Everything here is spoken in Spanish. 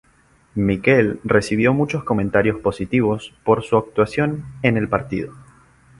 Mikel recibió muchos comentarios positivos por su actuación en el partido.